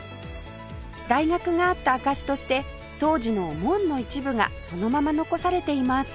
大学があった証しとして当時の門の一部がそのまま残されています